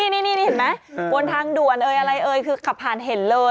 นี่เห็นไหมบนทางด่วนเอ่ยอะไรเอ่ยคือขับผ่านเห็นเลย